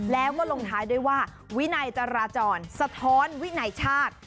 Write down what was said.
แล้วก็ลงท้ายด้วยว่าวินัยจราจรสะท้อนวินัยชาติ